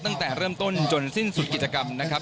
ตั้งแต่เริ่มต้นจนสิ้นสุดกิจกรรมนะครับ